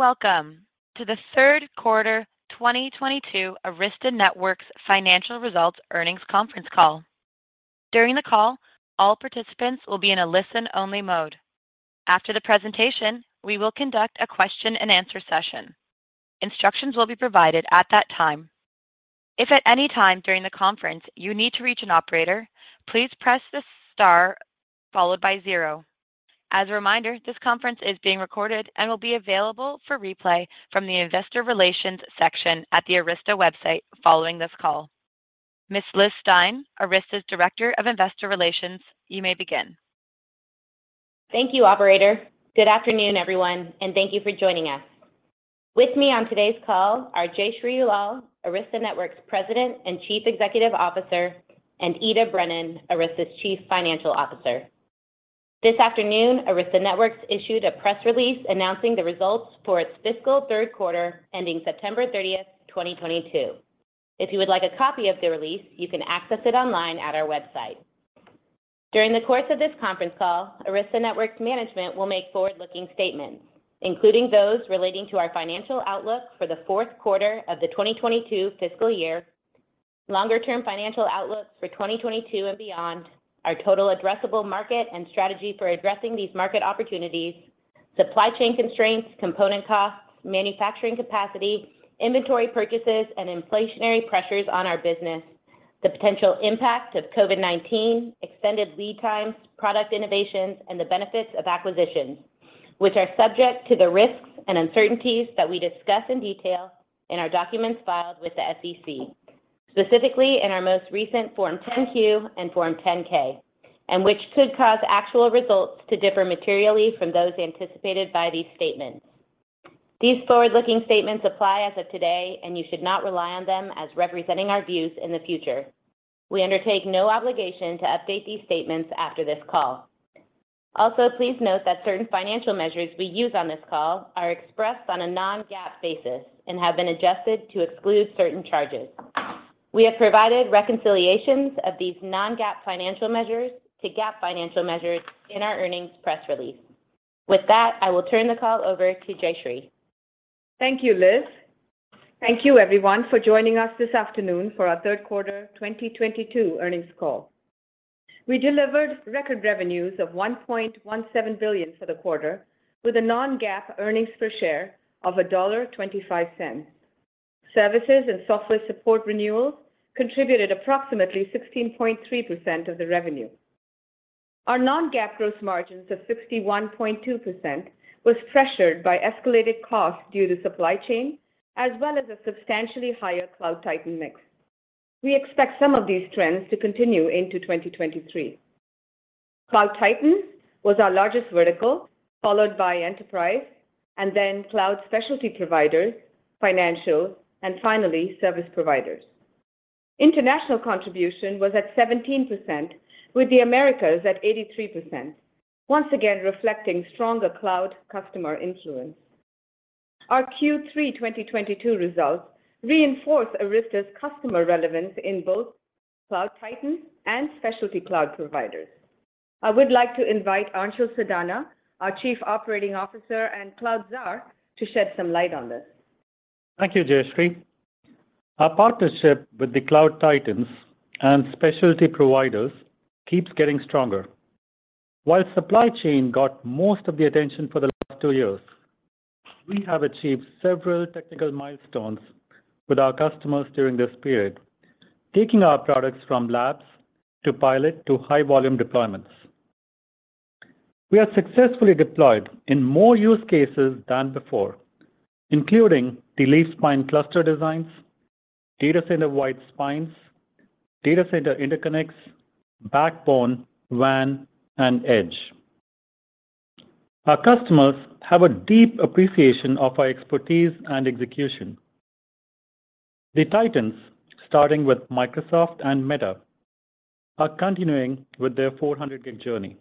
Welcome to the Third Quarter 2022 Arista Networks Financial Results Earnings Conference Call. During the call, all participants will be in a listen-only mode. After the presentation, we will conduct a question and answer session. Instructions will be provided at that time. If at any time during the conference you need to reach an operator, please press the star followed by zero. As a reminder, this conference is being recorded and will be available for replay from the investor relations section at the Arista website following this call. Ms. Liz Stine, Arista's Director of Investor Relations, you may begin. Thank you, operator. Good afternoon, everyone, and thank you for joining us. With me on today's call are Jayshree Ullal, Arista Networks President and Chief Executive Officer, and Ita Brennan, Arista's Chief Financial Officer. This afternoon, Arista Networks issued a press release announcing the results for its fiscal third quarter ending September thirtieth, 2022. If you would like a copy of the release, you can access it online at our website. During the course of this conference call, Arista Networks management will make forward-looking statements, including those relating to our financial outlook for the fourth quarter of the 2022 fiscal year, longer-term financial outlooks for 2022 and beyond, our total addressable market and strategy for addressing these market opportunities, supply chain constraints, component costs, manufacturing capacity, inventory purchases, and inflationary pressures on our business, the potential impact of COVID-19, extended lead times, product innovations, and the benefits of acquisitions, which are subject to the risks and uncertainties that we discuss in detail in our documents filed with the SEC, specifically in our most recent Form 10-Q and Form 10-K, and which could cause actual results to differ materially from those anticipated by these statements. These forward-looking statements apply as of today, and you should not rely on them as representing our views in the future. We undertake no obligation to update these statements after this call. Also, please note that certain financial measures we use on this call are expressed on a non-GAAP basis and have been adjusted to exclude certain charges. We have provided reconciliations of these non-GAAP financial measures to GAAP financial measures in our earnings press release. With that, I will turn the call over to Jayshree. Thank you, Liz. Thank you everyone for joining us this afternoon for our third quarter 2022 earnings call. We delivered record revenues of $1.17 billion for the quarter with a non-GAAP earnings per share of $1.25. Services and software support renewals contributed approximately 16.3% of the revenue. Our non-GAAP gross margins of 61.2% was pressured by escalated costs due to supply chain as well as a substantially higher Cloud Titan mix. We expect some of these trends to continue into 2023. Cloud Titan was our largest vertical, followed by Enterprise and then Cloud Specialty Providers, Financial, and finally Service Providers. International contribution was at 17% with the Americas at 83%, once again reflecting stronger cloud customer influence. Our Q3 2022 results reinforce Arista's customer relevance in both Cloud Titan and Specialty Cloud Providers. I would like to invite Anshul Sadana, our Chief Operating Officer and Cloud Tsar, to shed some light on this. Thank you, Jayshree. Our partnership with the Cloud Titans and specialty providers keeps getting stronger. While supply chain got most of the attention for the last two years, we have achieved several technical milestones with our customers during this period, taking our products from labs to pilot to high-volume deployments. We are successfully deployed in more use cases than before, including the leaf-spine cluster designs, data center-wide spines, data center interconnects, backbone, WAN, and edge. Our customers have a deep appreciation of our expertise and execution. The Titans, starting with Microsoft and Meta, are continuing with their 400 Gbps journey.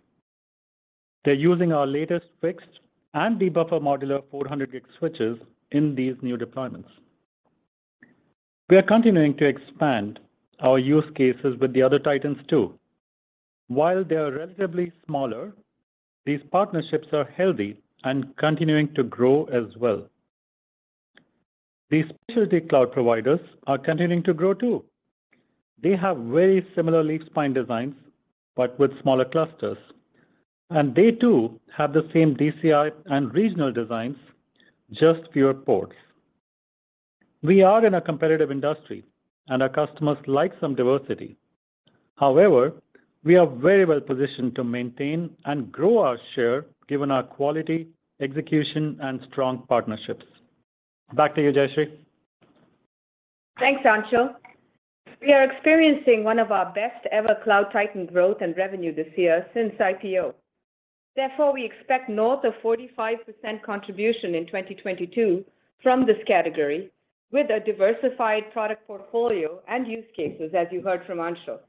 They're using our latest fixed and buffer modular 400 Gbps switches in these new deployments. We are continuing to expand our use cases with the other Titans too. While they are relatively smaller, these partnerships are healthy and continuing to grow as well. The specialty cloud providers are continuing to grow too. They have very similar leaf-spine designs, but with smaller clusters. They too have the same DCI and regional designs, just fewer ports. We are in a competitive industry, and our customers like some diversity. However, we are very well positioned to maintain and grow our share given our quality, execution, and strong partnerships. Back to you, Jayshree. Thanks, Anshul. We are experiencing one of our best ever Cloud Titan growth and revenue this year since IPO. Therefore, we expect north of 45% contribution in 2022 from this category with a diversified product portfolio and use cases, as you heard from Anshul.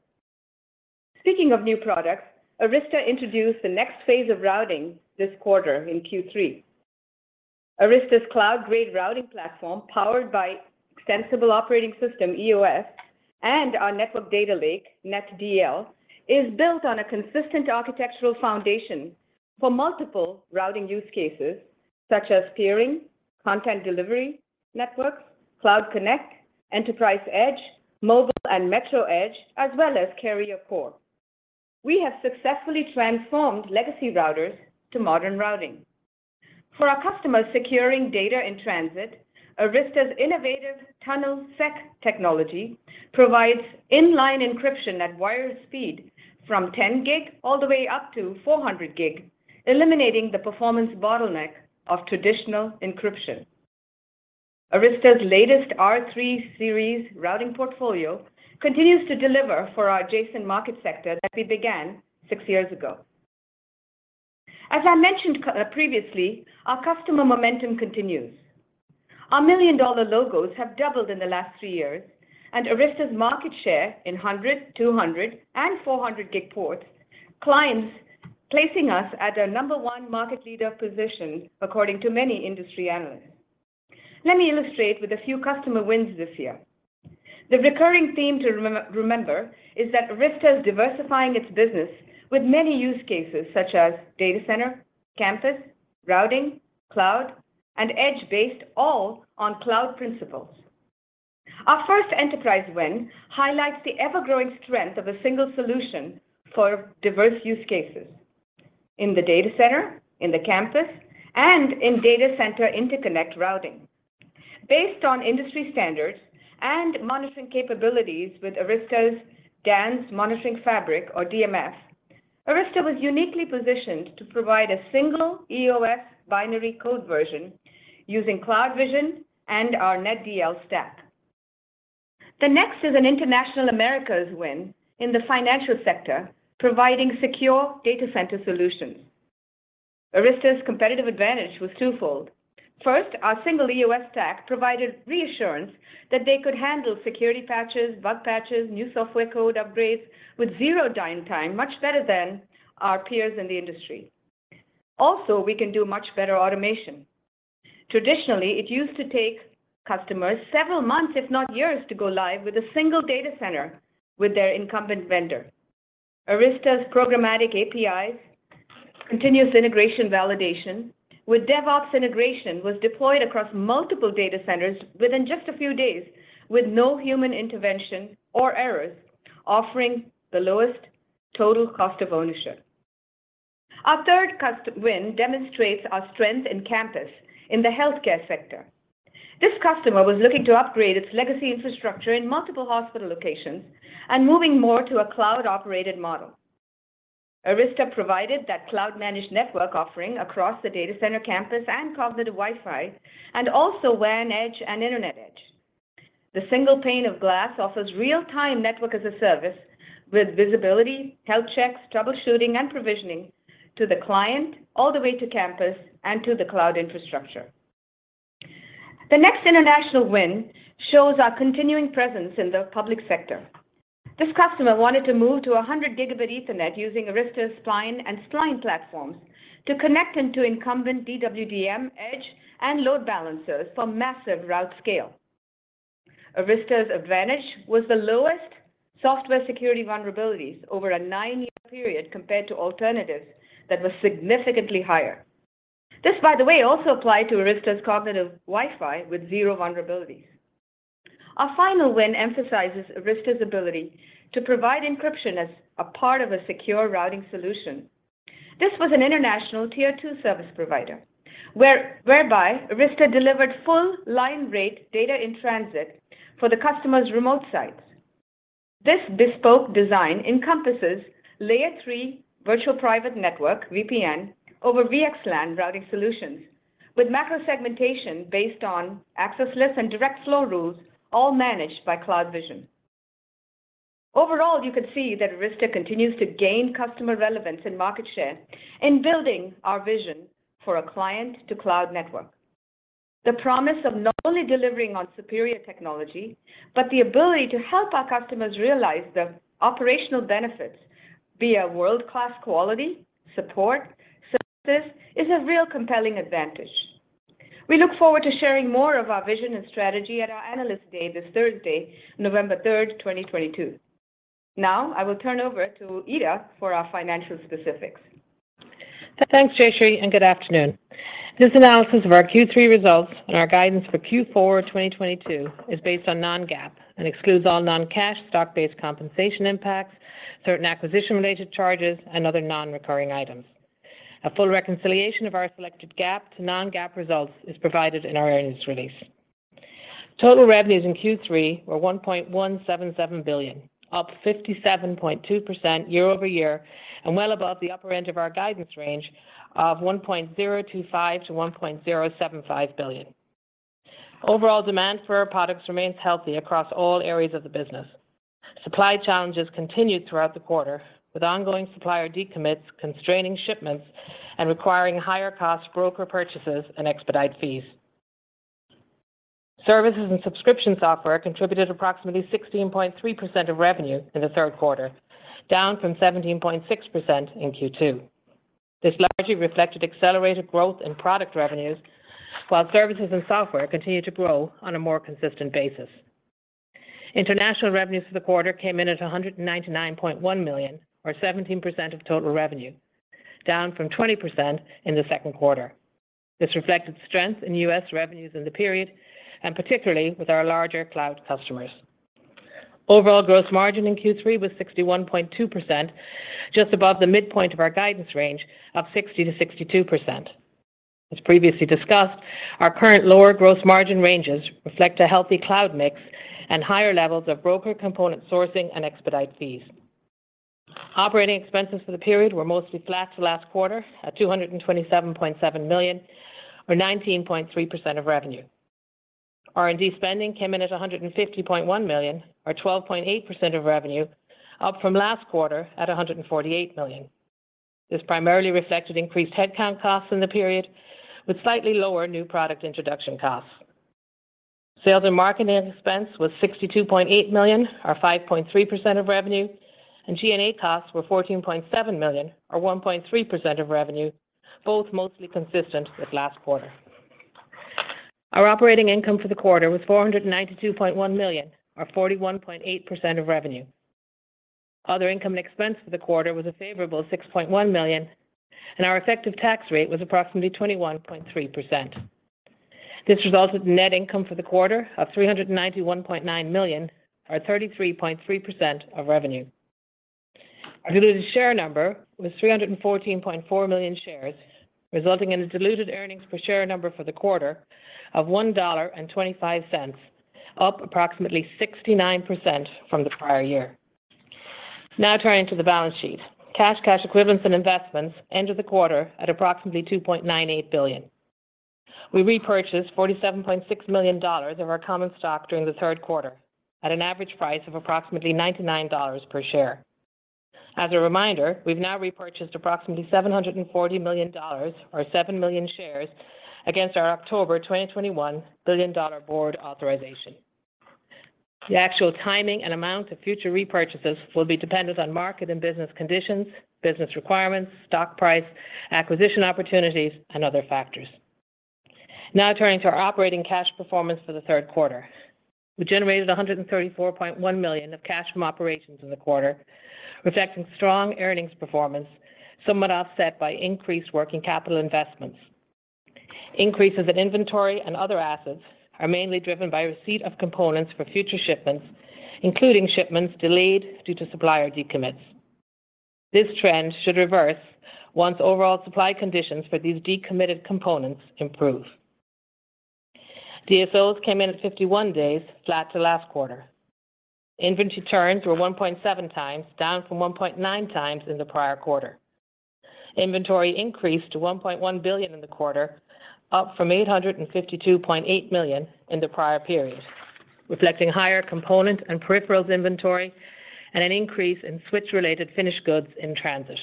Speaking of new products, Arista introduced the next phase of routing this quarter in Q3. Arista's cloud-grade routing platform, powered by Extensible Operating System EOS. And our network data lake, NetDL, is built on a consistent architectural foundation for multiple routing use cases such as peering, content delivery networks, cloud connect, enterprise edge, mobile and metro edge, as well as carrier core. We have successfully transformed legacy routers to modern routing. For our customers securing data in transit, Arista's innovative TunnelSec technology provides inline encryption at wire speed from 10 Gbps all the way up to 400 Gbps, eliminating the performance bottleneck of traditional encryption. Arista's latest R3 Series routing portfolio continues to deliver for our adjacent market sector that we began six years ago. As I mentioned previously, our customer momentum continues. Our million-dollar logos have doubled in the last three years, and Arista's market share in 100, 200, and 400 Gbps ports climbs, placing us at a number one market leader position, according to many industry analysts. Let me illustrate with a few customer wins this year. The recurring theme to remember is that Arista is diversifying its business with many use cases such as data center, campus, routing, cloud, and edge-based, all on cloud principles. Our first enterprise win highlights the ever-growing strength of a single solution for diverse use cases in the data center, in the campus, and in data center interconnect routing. Based on industry standards and monitoring capabilities with Arista's DANZ Monitoring Fabric, or DMF, Arista was uniquely positioned to provide a single EOS binary code version using CloudVision and our NetDL stack. The next is an International Americas win in the financial sector, providing secure data center solutions. Arista's competitive advantage was twofold. First, our single EOS stack provided reassurance that they could handle security patches, bug patches, new software code upgrades with zero downtime, much better than our peers in the industry. Also, we can do much better automation. Traditionally, it used to take customers several months, if not years, to go live with a single data center with their incumbent vendor. Arista's programmatic APIs, continuous integration validation with DevOps integration was deployed across multiple data centers within just a few days with no human intervention or errors, offering the lowest total cost of ownership. Our third win demonstrates our strength in campus in the healthcare sector. This customer was looking to upgrade its legacy infrastructure in multiple hospital locations and moving more to a cloud-operated model. Arista provided that cloud-managed network offering across the data center campus and cognitive Wi-Fi and also WAN edge and internet edge. The single pane of glass offers real-time network as a service with visibility, health checks, troubleshooting, and provisioning to the client, all the way to campus and to the cloud infrastructure. The next international win shows our continuing presence in the public sector. This customer wanted to move to 100 Gb Ethernet using Arista's spine and spine platforms to connect into incumbent DWDM edge and load balancers for massive route scale. Arista's advantage was the lowest software security vulnerabilities over a nine-year period compared to alternatives that were significantly higher. This, by the way, also applied to Arista's cognitive Wi-Fi with zero vulnerabilities. Our final win emphasizes Arista's ability to provide encryption as a part of a secure routing solution. This was an international tier two service provider, whereby Arista delivered full line rate data in transit for the customer's remote sites. This bespoke design encompasses layer three virtual private network, VPN, over VXLAN routing solutions with macro segmentation based on access lists and direct flow rules, all managed by CloudVision. Overall, you can see that Arista continues to gain customer relevance and market share in building our vision for a client to cloud network. The promise of not only delivering on superior technology, but the ability to help our customers realize the operational benefits via world-class quality, support, services is a real compelling advantage. We look forward to sharing more of our vision and strategy at our Analyst Day this Thursday, November 3rd, 2022. Now, I will turn over to Ita for our financial specifics. Thanks, Jayshree, and good afternoon. This analysis of our Q3 results and our guidance for Q4 2022 is based on non-GAAP and excludes all non-cash stock-based compensation impacts, certain acquisition-related charges, and other non-recurring items. A full reconciliation of our selected GAAP to non-GAAP results is provided in our earnings release. Total revenues in Q3 were $1.177 billion, up 57.2% year-over-year and well above the upper end of our guidance range of $1.025 billion-$1.075 billion. Overall demand for our products remains healthy across all areas of the business. Supply challenges continued throughout the quarter, with ongoing supplier decommits constraining shipments and requiring higher cost broker purchases and expedite fees. Services and subscription software contributed approximately 16.3% of revenue in the third quarter, down from 17.6% in Q2. This largely reflected accelerated growth in product revenues, while services and software continued to grow on a more consistent basis. International revenues for the quarter came in at $199.1 million, or 17% of total revenue, down from 20% in the second quarter. This reflected strength in U.S. revenues in the period, and particularly with our larger cloud customers. Overall gross margin in Q3 was 61.2%, just above the midpoint of our guidance range of 60%-62%. As previously discussed, our current lower gross margin ranges reflect a healthy cloud mix and higher levels of broker component sourcing and expedite fees. Operating expenses for the period were mostly flat to last quarter at $227.7 million or 19.3% of revenue. R&D spending came in at $150.1 million, or 12.8% of revenue, up from last quarter at $148 million. This primarily reflected increased headcount costs in the period, with slightly lower new product introduction costs. Sales and marketing expense was $62.8 million, or 5.3% of revenue, and G&A costs were $14.7 million, or 1.3% of revenue, both mostly consistent with last quarter. Our operating income for the quarter was $492.1 million or 41.8% of revenue. Other income and expense for the quarter was a favorable $6.1 million, and our effective tax rate was approximately 21.3%. This resulted in net income for the quarter of $391.9 million, or 33.3% of revenue. Our diluted share number was 314.4 million shares, resulting in a diluted earnings per share number for the quarter of $1.25, up approximately 69% from the prior year. Now turning to the balance sheet. Cash, cash equivalents, and investments ended the quarter at approximately $2.98 billion. We repurchased $47.6 million of our common stock during the third quarter at an average price of approximately $99 per share. As a reminder, we've now repurchased approximately $740 million or 7 million shares against our October 2021 billion-dollar board authorization. The actual timing and amount of future repurchases will be dependent on market and business conditions, business requirements, stock price, acquisition opportunities, and other factors. Now turning to our operating cash performance for the third quarter. We generated $134.1 million of cash from operations in the quarter, reflecting strong earnings performance, somewhat offset by increased working capital investments. Increases in inventory and other assets are mainly driven by receipt of components for future shipments, including shipments delayed due to supplier decommits. This trend should reverse once overall supply conditions for these decommitted components improve. DSO came in at 51 days, flat to last quarter. Inventory turns were 1.7 times, down from 1.9 times in the prior quarter. Inventory increased to $1.1 billion in the quarter, up from $852.8 million in the prior period, reflecting higher component and peripherals inventory and an increase in switch-related finished goods in transit.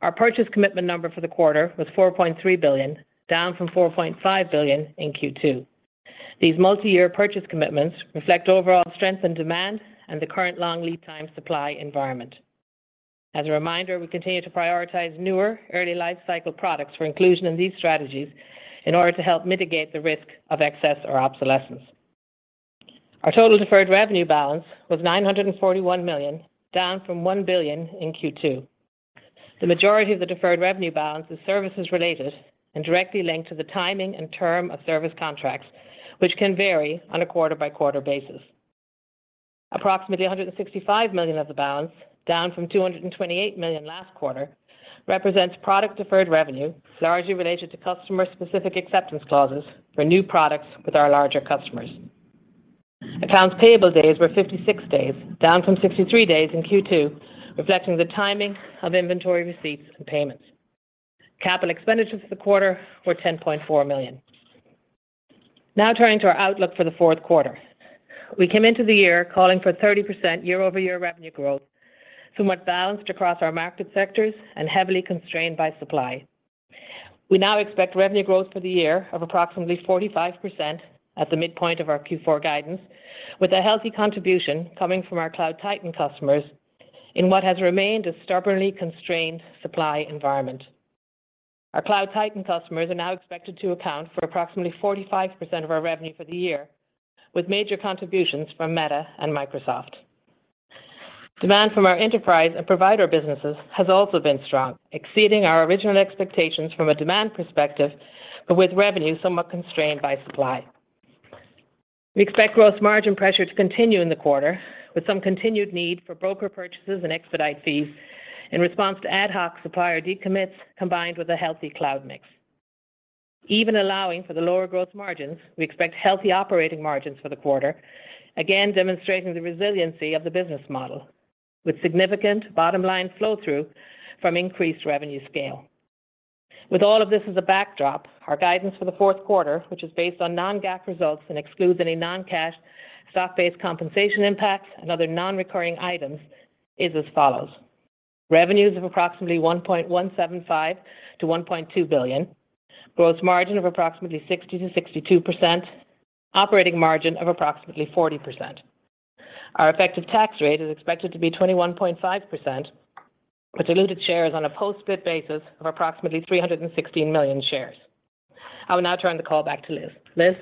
Our purchase commitment number for the quarter was $4.3 billion, down from $4.5 billion in Q2. These multi-year purchase commitments reflect overall strength in demand and the current long lead time supply environment. As a reminder, we continue to prioritize newer early life cycle products for inclusion in these strategies in order to help mitigate the risk of excess or obsolescence. Our total deferred revenue balance was $941 million, down from $1 billion in Q2. The majority of the deferred revenue balance is services related and directly linked to the timing and term of service contracts, which can vary on a quarter-by-quarter basis. Approximately $165 million of the balance, down from $228 million last quarter, represents product deferred revenue, largely related to customer-specific acceptance clauses for new products with our larger customers. Accounts payable days were 56 days, down from 63 days in Q2, reflecting the timing of inventory receipts and payments. Capital expenditures for the quarter were $10.4 million. Now turning to our outlook for the fourth quarter. We came into the year calling for 30% year-over-year revenue growth, somewhat balanced across our market sectors and heavily constrained by supply. We now expect revenue growth for the year of approximately 45% at the midpoint of our Q4 guidance, with a healthy contribution coming from our Cloud Titan customers in what has remained a stubbornly constrained supply environment. Our Cloud Titan customers are now expected to account for approximately 45% of our revenue for the year, with major contributions from Meta and Microsoft. Demand from our enterprise and provider businesses has also been strong, exceeding our original expectations from a demand perspective, but with revenue somewhat constrained by supply. We expect gross margin pressure to continue in the quarter, with some continued need for broker purchases and expedite fees in response to ad hoc supplier decommits, combined with a healthy cloud mix. Even allowing for the lower gross margins, we expect healthy operating margins for the quarter, again demonstrating the resiliency of the business model, with significant bottom line flow-through from increased revenue scale. With all of this as a backdrop, our guidance for the fourth quarter, which is based on non-GAAP results and excludes any non-cash stock-based compensation impacts and other non-recurring items, is as follows. Revenues of approximately $1.175 billion-$1.2 billion. Gross margin of approximately 60%-62%. Operating margin of approximately 40%. Our effective tax rate is expected to be 21.5% with diluted shares on a post-split basis of approximately 316 million shares. I will now turn the call back to Liz. Liz?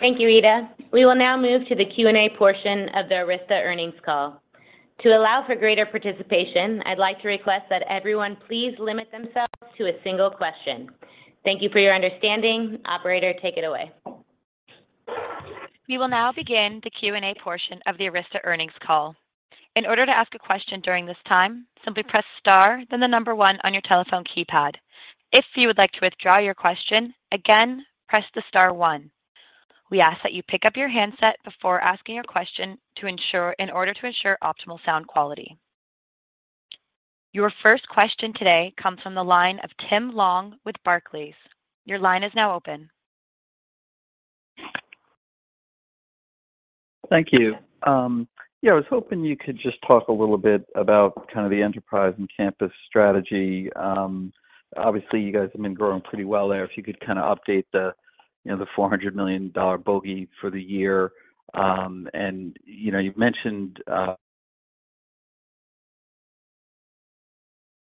Thank you, Ita. We will now move to the Q&A portion of the Arista earnings call. To allow for greater participation, I'd like to request that everyone please limit themselves to a single question. Thank you for your understanding. Operator, take it away. We will now begin the Q&A portion of the Arista earnings call. In order to ask a question during this time, simply press star then the number one on your telephone keypad. If you would like to withdraw your question, again, press the star one. We ask that you pick up your handset before asking your question in order to ensure optimal sound quality. Your first question today comes from the line of Tim Long with Barclays. Your line is now open. Thank you. I was hoping you could just talk a little bit about kind of the enterprise and campus strategy. Obviously, you guys have been growing pretty well there. If you could kinda update the, you know, the $400 million bogey for the year. You know, you've mentioned,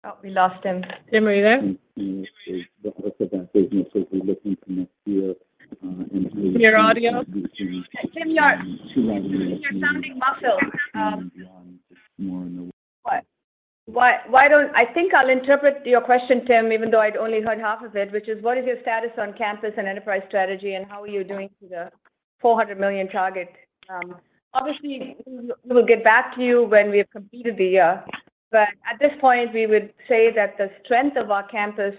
Oh, we lost him. Tim, are you there? The rest of that business as we're looking for next year, and Can you hear audio? Tim, you are $200 million You're sounding muffled. Just more in the- I think I'll interpret your question, Tim, even though I'd only heard half of it, which is what is your status on campus and enterprise strategy, and how are you doing to the $400 million target? Obviously, we'll get back to you when we've completed the year. At this point, we would say that the strength of our campus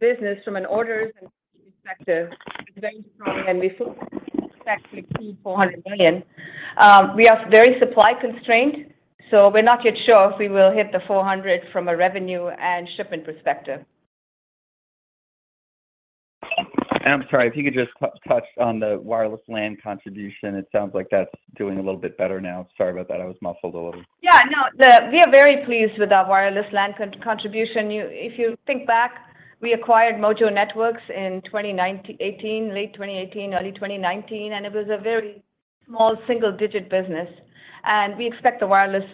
business from an orders and perspective is very strong, and we still expect to hit $400 million. We are very supply constrained, so we're not yet sure if we will hit the $400 million from a revenue and shipment perspective. I'm sorry, if you could just touch on the wireless LAN contribution. It sounds like that's doing a little bit better now. Sorry about that, I was muffled a little. We are very pleased with our wireless LAN contribution. If you think back, we acquired Mojo Networks in late 2018, early 2019, and it was a very small single-digit business. We expect the wireless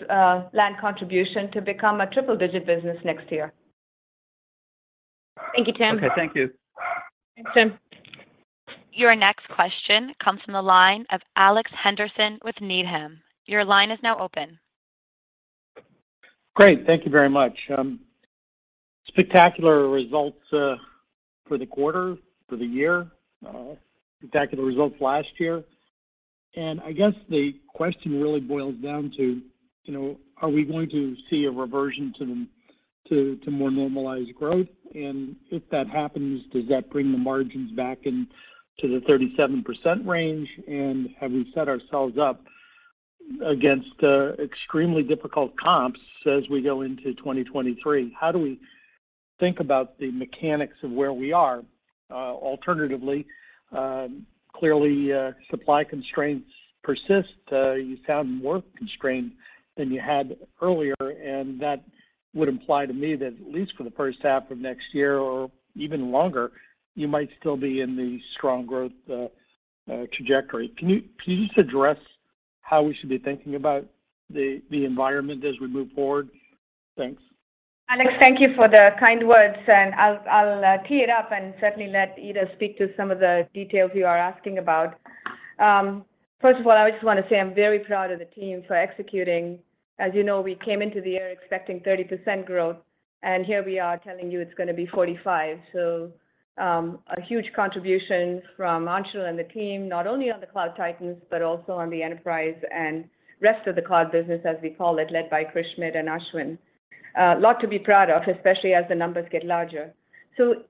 LAN contribution to become a triple-digit business next year. Thank you, Tim. Okay, thank you. Thanks, Tim. Your next question comes from the line of Alex Henderson with Needham. Your line is now open. Great. Thank you very much. Spectacular results for the quarter, for the year, spectacular results last year. I guess the question really boils down to, you know, are we going to see a reversion to more normalized growth? If that happens, does that bring the margins back in to the 37% range? Have we set ourselves up against extremely difficult comps as we go into 2023? How do we think about the mechanics of where we are? Alternatively, clearly, supply constraints persist. You sound more constrained than you had earlier, and that would imply to me that at least for the first half of next year or even longer, you might still be in the strong growth trajectory. Can you just address how we should be thinking about the environment as we move forward? Thanks. Alex, thank you for the kind words, and I'll tee it up and certainly let Ita speak to some of the details you are asking about. First of all, I just wanna say I'm very proud of the team for executing. As you know, we came into the year expecting 30% growth, and here we are telling you it's gonna be 45%. A huge contribution from Anshul and the team, not only on the Cloud Titans, but also on the enterprise and rest of the cloud business, as we call it, led by Krishnamurthy and Ashwin. A lot to be proud of, especially as the numbers get larger.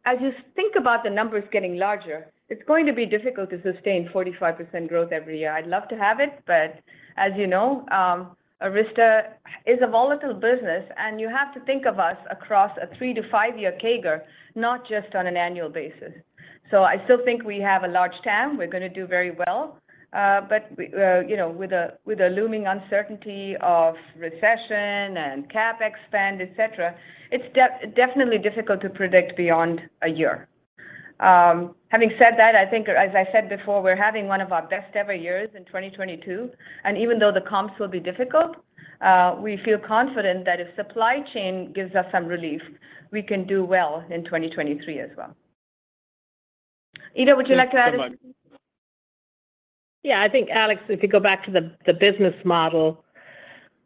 As you think about the numbers getting larger, it's going to be difficult to sustain 45% growth every year. I'd love to have it, but as you know, Arista is a volatile business, and you have to think of us across a three- to five-year CAGR, not just on an annual basis. I still think we have a large TAM, we're gonna do very well. But we, you know, with the looming uncertainty of recession and CapEx spend, et cetera, it's definitely difficult to predict beyond a year. Having said that, I think, as I said before, we're having one of our best ever years in 2022. Even though the comps will be difficult, we feel confident that if supply chain gives us some relief, we can do well in 2023 as well. Ita, would you like to add anything? Yeah. I think, Alex, if you go back to the business model,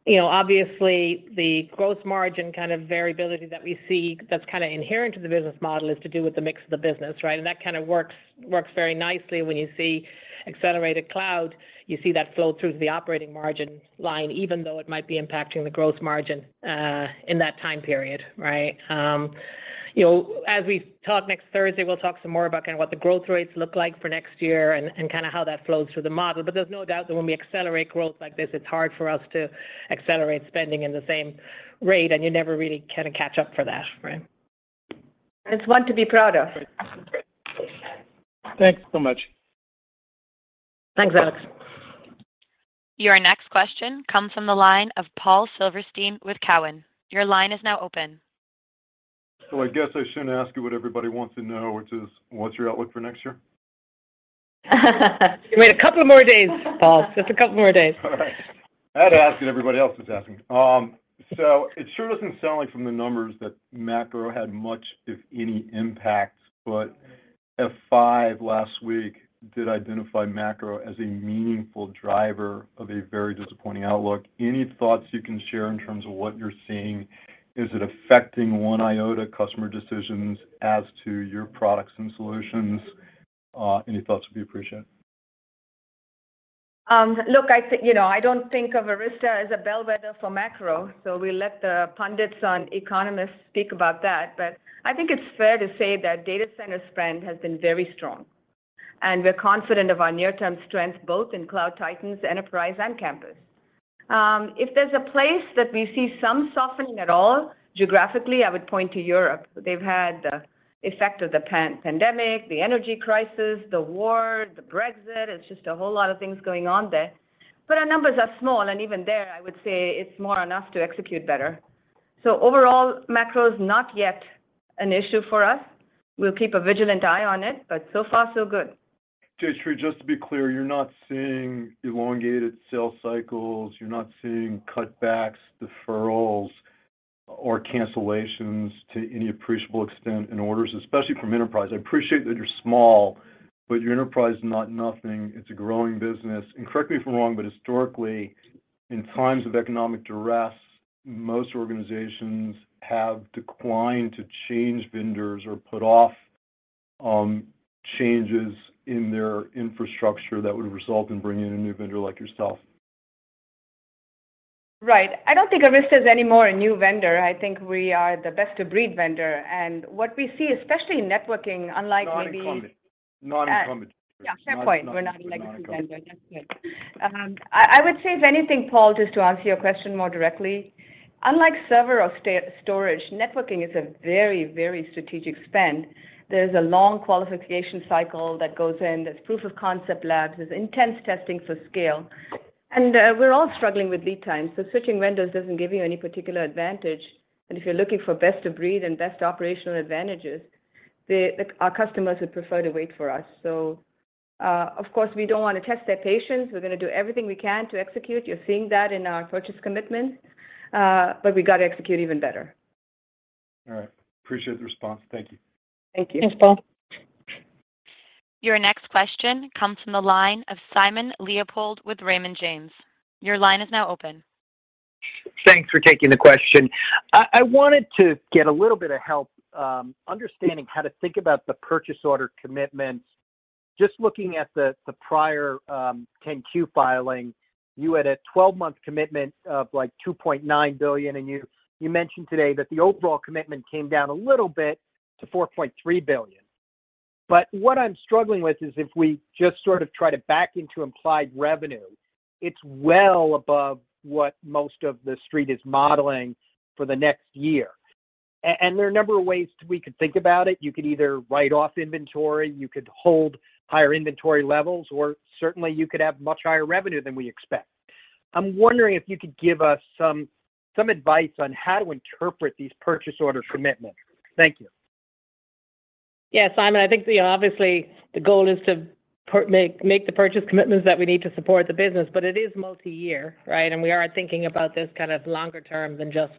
you know, obviously the gross margin kind of variability that we see that's kinda inherent to the business model is to do with the mix of the business, right? That kind of works very nicely when you see accelerated cloud. You see that flow through to the operating margin line, even though it might be impacting the gross margin in that time period, right? You know, as we talk next Thursday, we'll talk some more about kinda what the growth rates look like for next year and kinda how that flows through the model. There's no doubt that when we accelerate growth like this, it's hard for us to accelerate spending at the same rate, and you never really kinda catch up for that, right? It's one to be proud of. Thanks so much. Thanks, Alex. Your next question comes from the line of Paul Silverstein with Cowen. Your line is now open. I guess I shouldn't ask you what everybody wants to know, which is what's your outlook for next year? Give it a couple more days, Paul. Just a couple more days. All right. I had to ask it. Everybody else is asking. It sure doesn't sound like from the numbers that macro had much, if any, impact. F5 last week did identify macro as a meaningful driver of a very disappointing outlook. Any thoughts you can share in terms of what you're seeing? Is it affecting one iota customer decisions as to your products and solutions? Any thoughts would be appreciated. Look, you know, I don't think of Arista as a bellwether for macro, so we let the pundits and economists speak about that. I think it's fair to say that data center spend has been very strong, and we're confident of our near-term strength both in Cloud Titans, Enterprise, and Campus. If there's a place that we see some softening at all geographically, I would point to Europe. They've had the effect of the post-pandemic, the energy crisis, the war, the Brexit. It's just a whole lot of things going on there. Our numbers are small, and even there, I would say it's more than enough to execute better. Overall, macro is not yet an issue for us. We'll keep a vigilant eye on it, but so far, so good. Jayshree, just to be clear, you're not seeing elongated sales cycles. You're not seeing cutbacks, deferrals, or cancellations to any appreciable extent in orders, especially from Enterprise. I appreciate that you're small, but your Enterprise is not nothing. It's a growing business. Correct me if I'm wrong, but historically, in times of economic duress, most organizations have declined to change vendors or put off changes in their infrastructure that would result in bringing in a new vendor like yourself. Right. I don't think Arista is any more a new vendor. I think we are the best-of-breed vendor. What we see, especially in networking, unlike maybe. Non-incumbent. Non-incumbent. Yeah, fair point. We're not a legacy vendor. That's fair. I would say, if anything, Paul, just to answer your question more directly, unlike server or storage, networking is a very, very strategic spend. There's a long qualification cycle that goes in. There's proof of concept labs. There's intense testing for scale. We're all struggling with lead time, so switching vendors doesn't give you any particular advantage. If you're looking for best of breed and best operational advantages, our customers would prefer to wait for us. Of course, we don't wanna test their patience. We're gonna do everything we can to execute. You're seeing that in our purchase commitments, but we gotta execute even better. All right. Appreciate the response. Thank you. Thank you. Thanks, Paul. Your next question comes from the line of Simon Leopold with Raymond James. Your line is now open. Thanks for taking the question. I wanted to get a little bit of help understanding how to think about the purchase order commitments. Just looking at the prior 10-Q filing, you had a 12-month commitment of, like, $2.9 billion, and you mentioned today that the overall commitment came down a little bit to $4.3 billion. But what I'm struggling with is if we just sort of try to back into implied revenue, it's well above what most of the street is modeling for the next year. And there are a number of ways we could think about it. You could either write off inventory, you could hold higher inventory levels, or certainly you could have much higher revenue than we expect. I'm wondering if you could give us some advice on how to interpret these purchase order commitments. Thank you. Yeah, Simon, I think the, obviously, the goal is to make the purchase commitments that we need to support the business, but it is multi-year, right? We are thinking about this kind of longer term than just,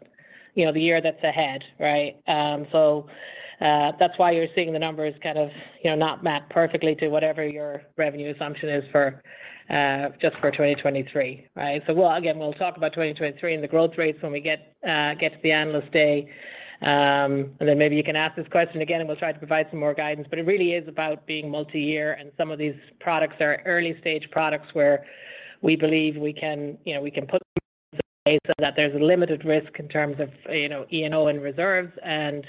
you know, the year that's ahead, right? That's why you're seeing the numbers kind of, you know, not map perfectly to whatever your revenue assumption is for just 2023, right? We'll, again, we'll talk about 2023 and the growth rates when we get to the Analyst Day. Then maybe you can ask this question again, and we'll try to provide some more guidance. It really is about being multi-year, and some of these products are early-stage products where we believe we can, you know, we can put a, so that there's a limited risk in terms of, you know, E&O in reserves and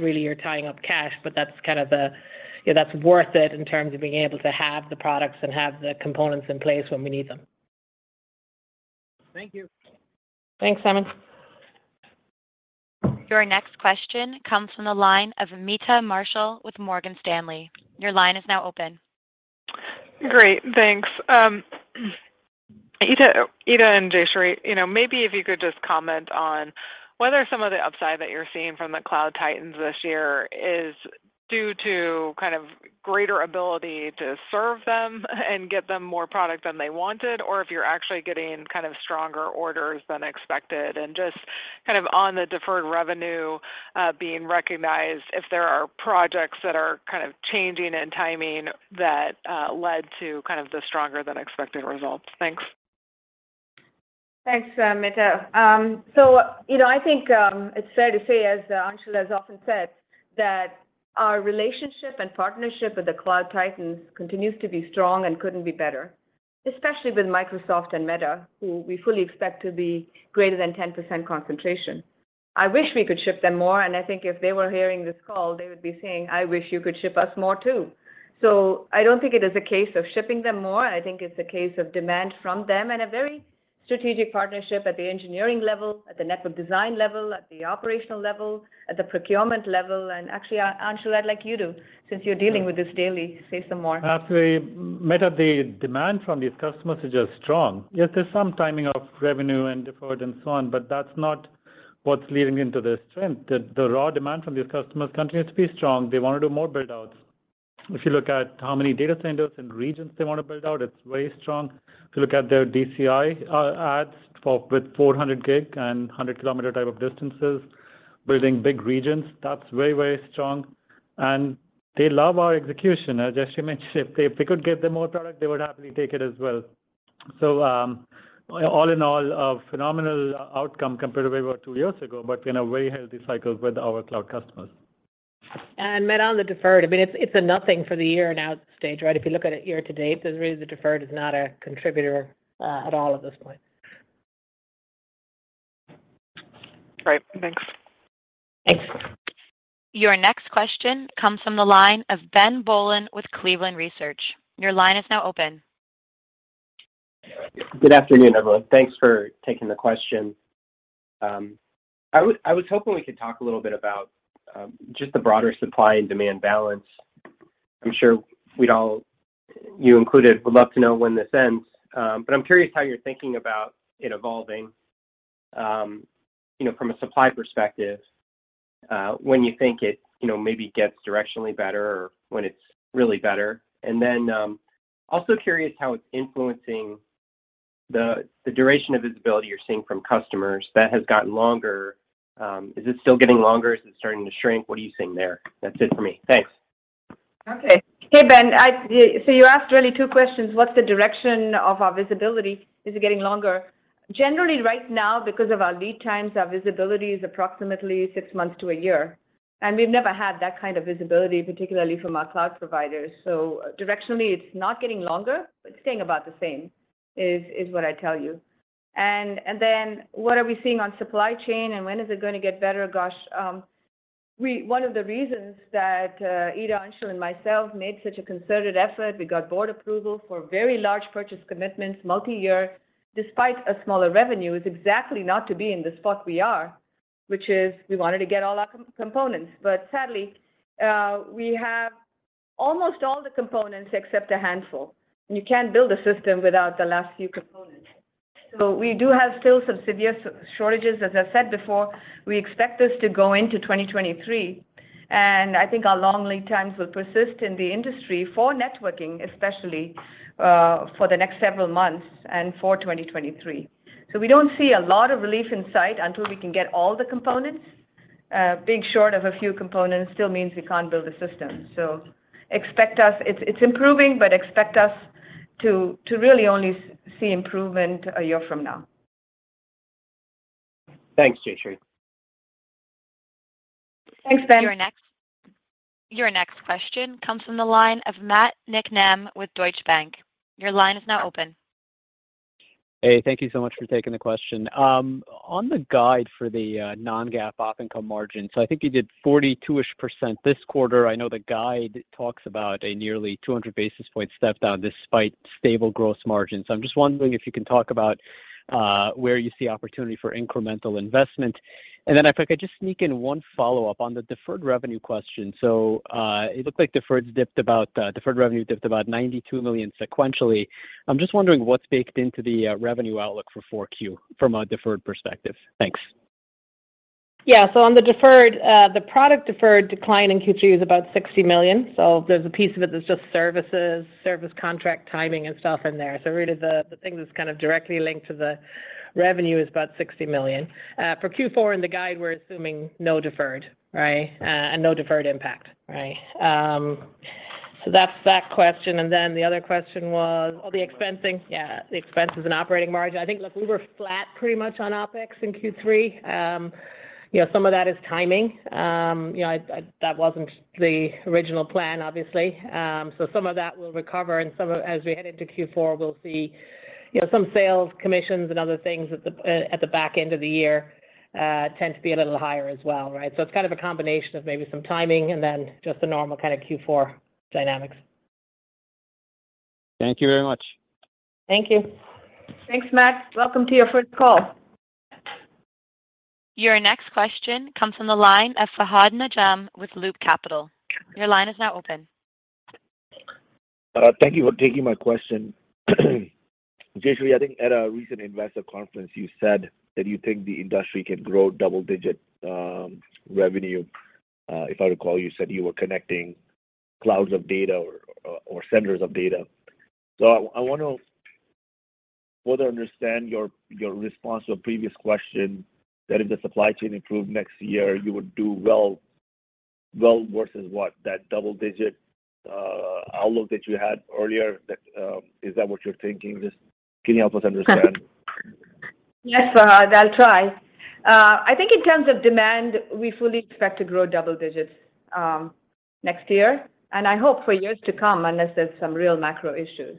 really you're trying up cash, but that's kind of a, that's worth it in terms of being able to have the products and have the components in place when we need them. Thank you. Thank you, Simon. Your next question comes from the line of Meta Marshall with Morgan Stanley. Your line is now open. Great. Thanks. Ita and Jayshree, you know, maybe if you could just comment on whether some of the upside that you're seeing from the Cloud Titans this year is due to kind of greater ability to serve them and get them more product than they wanted or if you're actually getting kind of stronger orders than expected and just kind of on the deferred revenue being recognized if there are projects that are kind of changing in timing that led to kind of the stronger than expected results. Thanks. Thanks, Meta. So, you know, I think it's fair to say, as Anshul has often said, that our relationship and partnership with the Cloud Titans continues to be strong and couldn't be better, especially with Microsoft and Meta, who we fully expect to be greater than 10% concentration. I wish we could ship them more, and I think if they were hearing this call, they would be saying, "I wish you could ship us more too." I don't think it is a case of shipping them more. I think it's a case of demand from them and a very strategic partnership at the engineering level, at the network design level, at the operational level, at the procurement level. Actually, Anshul, I'd like you to, since you're dealing with this daily, say some more. Absolutely. Meta, the demand from these customers is just strong. Yes, there's some timing of revenue and deferred and so on, but that's not what's leading into this trend. The raw demand from these customers continues to be strong. They wanna do more build-outs. If you look at how many data centers and regions they want to build out, it's very strong. If you look at their DCI ads with 400 Gb and 100 km type of distances, building big regions, that's very, very strong. They love our execution. As Jayshree mentioned, if we could get them more product, they would happily take it as well. All in all, a phenomenal outcome compared to where we were two years ago, but in a very healthy cycle with our cloud customers. Matt, on the deferred, I mean, it's a nothing for the year and outlook, right? If you look at it year-to-date, the reason the deferred is not a contributor at all at this point. Great. Thanks. Thanks. Your next question comes from the line of Ben Bollin with Cleveland Research. Your line is now open. Good afternoon, everyone. Thanks for taking the question. I was hoping we could talk a little bit about just the broader supply and demand balance. I'm sure we'd all, you included, would love to know when this ends. I'm curious how you're thinking about it evolving, you know, from a supply perspective, when you think it, you know, maybe gets directionally better or when it's really better. Also curious how it's influencing the duration of visibility you're seeing from customers. That has gotten longer. Is it still getting longer? Is it starting to shrink? What are you seeing there? That's it for me. Thanks. Okay. Hey, Ben. I you asked really two questions. What's the direction of our visibility? Is it getting longer? Generally right now, because of our lead times, our visibility is approximately six months to a year. We've never had that kind of visibility, particularly from our cloud providers. Directionally, it's not getting longer, but staying about the same is what I tell you. Then what are we seeing on supply chain, and when is it gonna get better? Gosh, one of the reasons that Ita, Anshul, and myself made such a concerted effort, we got board approval for very large purchase commitments, multi-year, despite a smaller revenue, is exactly not to be in the spot we are, which is we wanted to get all our components. Sadly, we have almost all the components except a handful, and you can't build a system without the last few components. We do have still some severe shortages. As I said before, we expect this to go into 2023, and I think our long lead times will persist in the industry for networking, especially, for the next several months and for 2023. We don't see a lot of relief in sight until we can get all the components. Being short of a few components still means we can't build a system. Expect us to really only see improvement a year from now. Thanks, Jayshree. Thanks, Ben. Your next question comes from the line of Matt Niknam with Deutsche Bank. Your line is now open. Hey, thank you so much for taking the question. On the guide for the non-GAAP op income margin, I think you did 42-ish% this quarter. I know the guide talks about a nearly 200 basis point step down despite stable growth margin. I'm just wondering if you can talk about where you see opportunity for incremental investment. Then if I could just sneak in one follow-up on the deferred revenue question. It looked like deferred revenue dipped about $92 million sequentially. I'm just wondering what's baked into the revenue outlook for 4Q from a deferred perspective. Thanks. Yeah. On the deferred, the product deferred decline in Q3 was about $60 million. There's a piece of it that's just services, service contract timing and stuff in there. Really the thing that's kind of directly linked to the revenue is about $60 million. For Q4 in the guide, we're assuming no deferred, right? No deferred impact, right? That's that question. The other question was, oh, the expensing. Yeah, the expenses and operating margin. I think, look, we were flat pretty much on OpEx in Q3. You know, some of that is timing. You know, that wasn't the original plan, obviously. Some of that will recover and some of as we head into Q4, we'll see, you know, some sales commissions and other things at the back end of the year tend to be a little higher as well, right? It's kind of a combination of maybe some timing and then just the normal kind of Q4 dynamics. Thank you very much. Thank you. Thanks, Matt. Welcome to your first call. Your next question comes from the line of Fahad Najam with Loop Capital. Your line is now open. Thank you for taking my question. Jayshree, I think at a recent investor conference, you said that you think the industry can grow double-digit revenue. If I recall, you said you were connecting clouds or data centers. I wanna further understand your response to a previous question that if the supply chain improved next year, you would do well. Well versus what? That double-digit outlook that you had earlier, is that what you're thinking? Just can you help us understand? Yes, Fahad, I'll try. I think in terms of demand, we fully expect to grow double digits next year, and I hope for years to come, unless there's some real macro issues.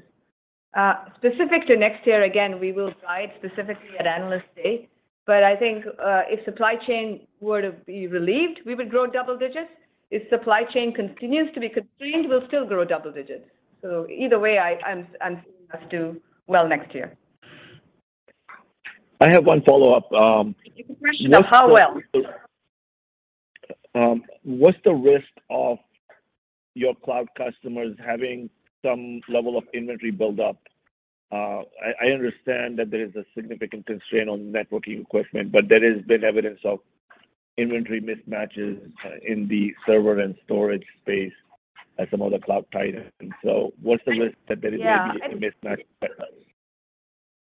Specific to next year, again, we will guide specifically at Analyst Day. I think, if supply chain were to be relieved, we would grow double digits. If supply chain continues to be constrained, we'll still grow double digits. Either way, I'm seeing us do well next year. I have one follow-up. The question of how well. What's the risk of your cloud customers having some level of inventory build up? I understand that there is a significant constraint on networking equipment, but there has been evidence of inventory mismatches in the server and storage space as some other cloud titans. What's the risk that there is maybe? Yeah. a mismatch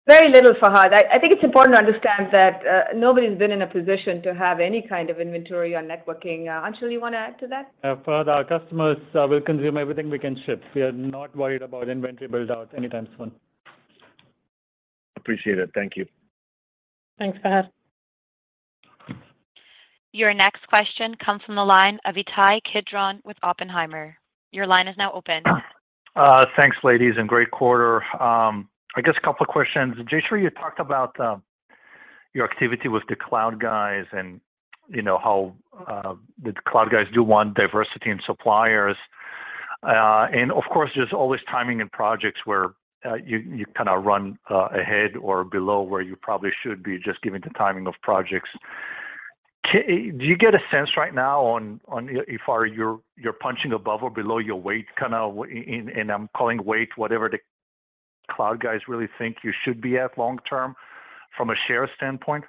Very little, Fahad. I think it's important to understand that, nobody's been in a position to have any kind of inventory on networking. Anshul, you wanna add to that? Fahad, our customers will consume everything we can ship. We are not worried about inventory build-outs anytime soon. Appreciate it. Thank you. Thanks, Fahad. Your next question comes from the line of Ittai Kidron with Oppenheimer. Your line is now open. Thanks ladies, and great quarter. I guess a couple of questions. Jayshree, you talked about your activity with the cloud guys and, you know, how the cloud guys do want diversity in suppliers. Of course, there's always timing in projects where you kinda run ahead or below where you probably should be, just given the timing of projects. Do you get a sense right now on if you're punching above or below your weight kinda in, and I'm calling weight whatever the cloud guys really think you should be at long term from a share standpoint?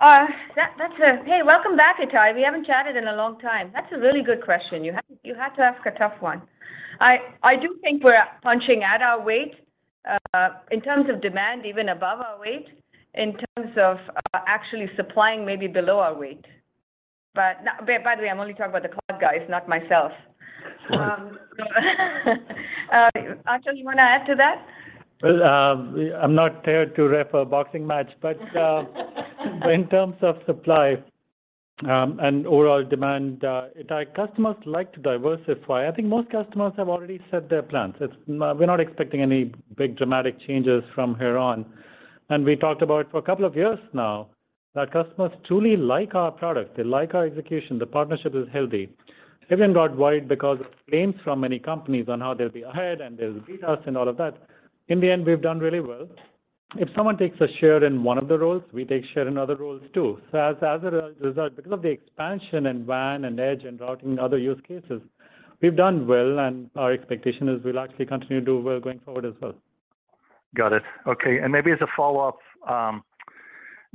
Hey, welcome back, Ittai. We haven't chatted in a long time. That's a really good question. You had to ask a tough one. I do think we're punching at our weight. In terms of demand, even above our weight. In terms of actually supplying, maybe below our weight. By the way, I'm only talking about the cloud guys, not myself. Anshul, you wanna add to that? Well, I'm not here to ref a boxing match, but in terms of supply and overall demand, Ittai, customers like to diversify. I think most customers have already set their plans. We're not expecting any big dramatic changes from here on. We talked about for a couple of years now that customers truly like our product. They like our execution. The partnership is healthy. Even worldwide, because of claims from many companies on how they'll be ahead, and they'll beat us, and all of that, in the end, we've done really well. If someone takes a share in one of the roles, we take share in other roles, too. As a result, because of the expansion in WAN, and edge, and routing, and other use cases, we've done well, and our expectation is we'll actually continue to do well going forward as well. Got it. Okay. Maybe as a follow-up,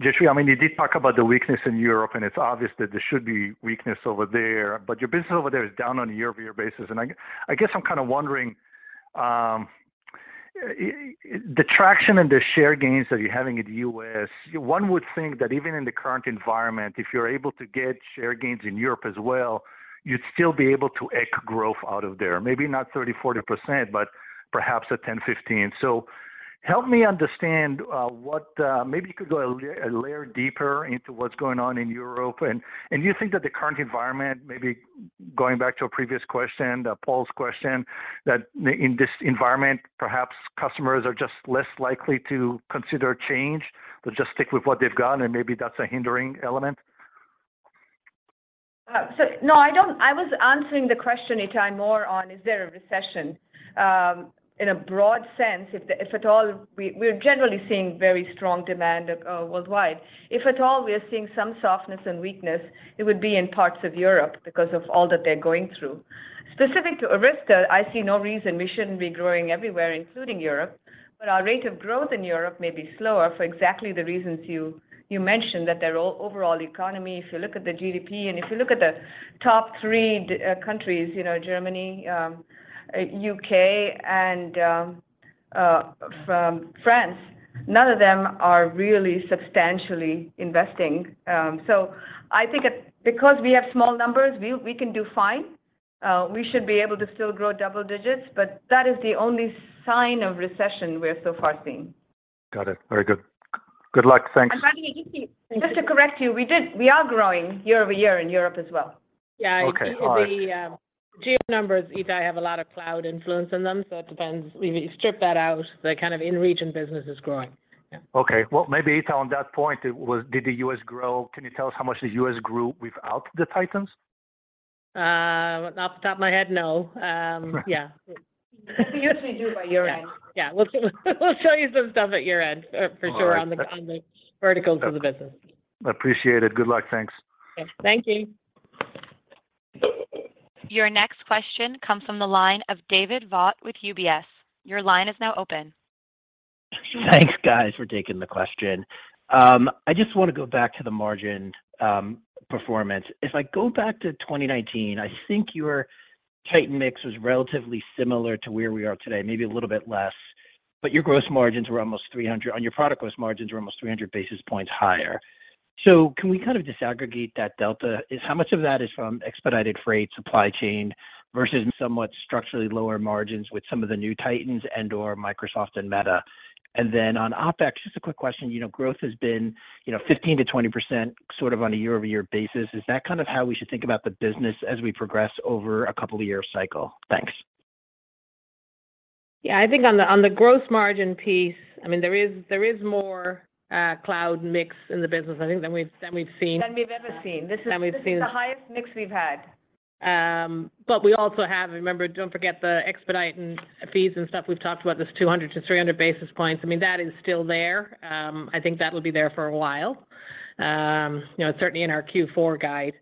Jayshree, I mean, you did talk about the weakness in Europe, and it's obvious that there should be weakness over there, but your business over there is down on a year-over-year basis. I guess I'm kinda wondering, the traction and the share gains that you're having in the US, one would think that even in the current environment, if you're able to get share gains in Europe as well, you'd still be able to eke growth out of there. Maybe not 30%-40%, but perhaps a 10%-15%. Help me understand, what. Maybe you could go a layer deeper into what's going on in Europe. Do you think that the current environment, maybe going back to a previous question, Paul's question, in this environment, perhaps customers are just less likely to consider change? They'll just stick with what they've got, and maybe that's a hindering element. I was answering the question, Ittai, more on is there a recession. In a broad sense, if at all, we're generally seeing very strong demand worldwide. If at all, we are seeing some softness and weakness, it would be in parts of Europe because of all that they're going through. Specific to Arista, I see no reason we shouldn't be growing everywhere, including Europe, but our rate of growth in Europe may be slower for exactly the reasons you mentioned, that their overall economy. If you look at the GDP, and if you look at the top three countries, you know, Germany, U.K., and France, none of them are really substantially investing. I think it's because we have small numbers, we can do fine. We should be able to still grow double digits, but that is the only sign of recession we're so far seeing. Got it. Very good. Good luck. Thanks. By the way, Ittai, just to correct you, we are growing year-over-year in Europe as well. Yeah. Okay. All right. I think the geo numbers, Ittai, have a lot of cloud influence in them, so it depends. When you strip that out, the kind of in-region business is growing. Yeah. Okay. Well, maybe, Ittai, on that point, it was, did the U.S. grow? Can you tell us how much the U.S. grew without the Titans? Off the top of my head, no. Yeah. You have to do it by your end. Yeah. Yeah. We'll show you some stuff at your end for sure. All right. On the verticals of the business. Appreciate it. Good luck. Thanks. Thank you. Your next question comes from the line of David Vogt with UBS. Your line is now open. Thanks guys for taking the question. I just wanna go back to the margin, performance. If I go back to 2019, I think your Titan mix was relatively similar to where we are today, maybe a little bit less. Your product gross margins were almost 300 basis points higher. Can we kind of disaggregate that delta? How much of that is from expedited freight supply chain versus somewhat structurally lower margins with some of the new Titans and/or Microsoft and Meta? Then on OpEx, just a quick question. Growth has been 15%-20% sort of on a year-over-year basis. Is that kind of how we should think about the business as we progress over a couple of year cycle? Thanks. Yeah. I think on the gross margin piece, I mean, there is more cloud mix in the business, I think, than we've seen. Than we've ever seen. Than we've seen. This is the highest mix we've had. We also have, remember, don't forget the expedite and fees and stuff we've talked about, this 200-300 basis points. I mean, that is still there. I think that will be there for a while. You know, certainly in our Q4 guide.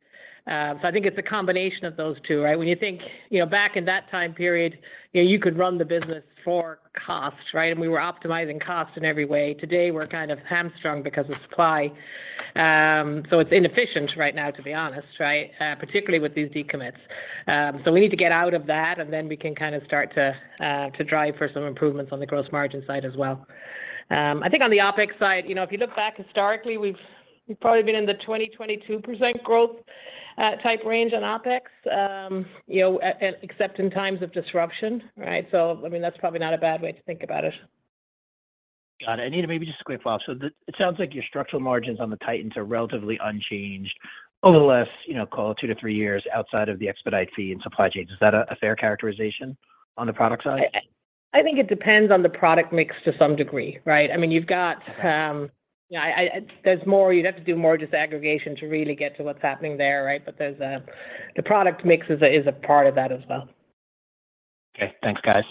I think it's a combination of those two, right? When you think, you know, back in that time period, you know, you could run the business for cost, right? We were optimizing cost in every way. Today, we're kind of hamstrung because of supply. It's inefficient right now, to be honest, right? Particularly with these decommits. We need to get out of that, and then we can kind of start to drive for some improvements on the gross margin side as well. I think on the OpEx side, you know, if you look back historically, we've probably been in the 22% growth type range on OpEx. You know, except in times of disruption, right? I mean, that's probably not a bad way to think about it. Got it. I need to maybe just quick follow-up. It sounds like your structural margins on the Titans are relatively unchanged over the last, you know, call it two to three years outside of the expedite fee and supply chain. Is that a fair characterization on the product side? I think it depends on the product mix to some degree, right? I mean, you've got, Yeah, you'd have to do more disaggregation to really get to what's happening there, right? The product mix is a part of that as well. Okay. Thanks, guys.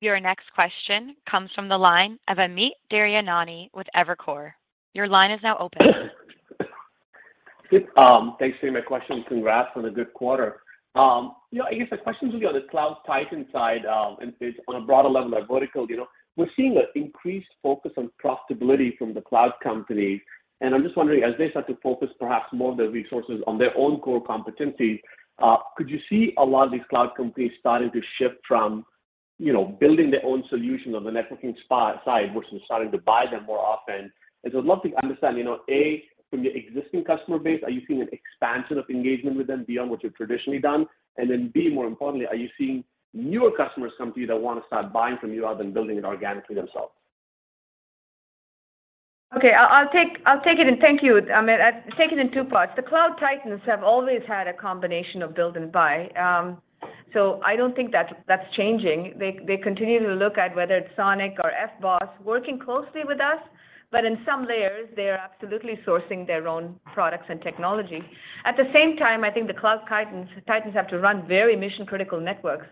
Your next question comes from the line of Amit Daryanani with Evercore. Your line is now open. Good. Thanks for taking my question. Congrats on a good quarter. You know, I guess the question to you on the Cloud Titan side, and on a broader level, a vertical. You know, we're seeing an increased focus on profitability from the cloud companies, and I'm just wondering, as they start to focus perhaps more of their resources on their own core competencies, could you see a lot of these cloud companies starting to shift from, you know, building their own solution on the networking spine side, which is starting to buy them more often? I'd love to understand, you know, A, from your existing customer base, are you seeing an expansion of engagement with them beyond what you've traditionally done? B, more importantly, are you seeing newer customers come to you that want to start buying from you other than building it organically themselves? Okay. I'll take it. Thank you, Amit. I'll take it in two parts. The Cloud Titans have always had a combination of build and buy. I don't think that's changing. They continue to look at whether it's SONiC or FBOSS working closely with us, but in some layers, they are absolutely sourcing their own products and technology. At the same time, I think the Cloud Titans have to run very mission-critical networks,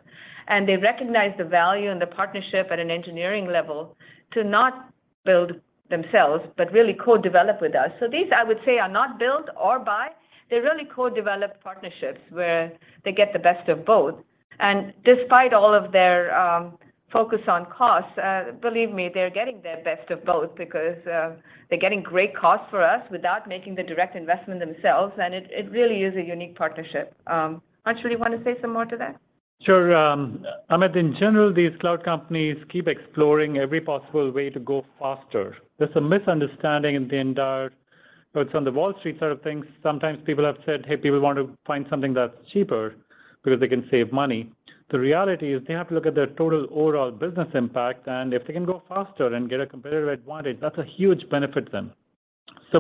and they recognize the value and the partnership at an engineering level to not build themselves, but really co-develop with us. These, I would say, are not build or buy. They're really co-developed partnerships where they get the best of both. Despite all of their focus on cost, believe me, they're getting their best of both because they're getting great cost for us without making the direct investment themselves, and it really is a unique partnership. Anshul, you want to say some more to that? Sure. Amit, in general, these cloud companies keep exploring every possible way to go faster. There's a misunderstanding in the entire, whether it's on the Wall Street side of things. Sometimes people have said, "Hey, people want to find something that's cheaper because they can save money." The reality is they have to look at their total overall business impact, and if they can go faster and get a competitive advantage, that's a huge benefit to them.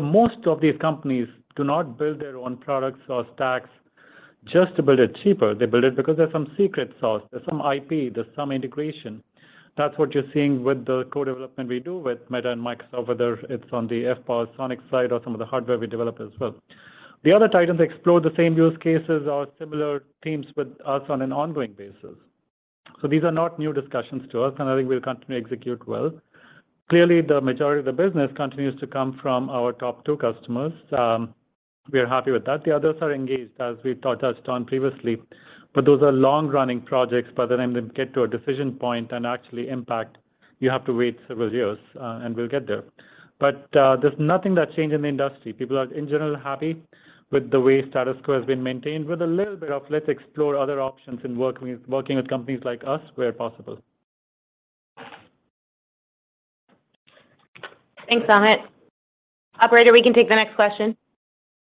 Most of these companies do not build their own products or stacks just to build it cheaper. They build it because there's some secret sauce. There's some IP. There's some integration. That's what you're seeing with the co-development we do with Meta and Microsoft, whether it's on the FBOSS SONiC side or some of the hardware we develop as well. The other Titans explore the same use cases or similar themes with us on an ongoing basis. These are not new discussions to us, and I think we'll continue to execute well. Clearly, the majority of the business continues to come from our top two customers. We are happy with that. The others are engaged, as we've talked to on previously. Those are long-running projects. By the time they get to a decision point and actually impact, you have to wait several years, and we'll get there. There's nothing that's changed in the industry. People are, in general, happy with the way status quo has been maintained with a little bit of, let's explore other options in working with companies like us where possible. Thanks, Amit. Operator, we can take the next question.